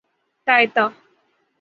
تائتا